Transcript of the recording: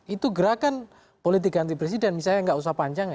itu gerakan politik ganti presiden misalnya nggak usah panjang